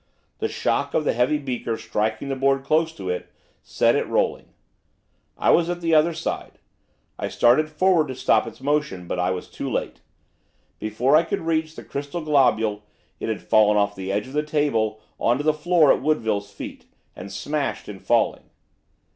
The shock of the heavy beaker striking the board close to it, set it rolling. I was at the other side. I started forward to stop its motion, but I was too late. Before I could reach the crystal globule, it had fallen off the edge of the table on to the floor at Woodville's feet, and smashed in falling.